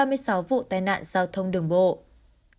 nguyên nhân tai nạn được xác định phần lớn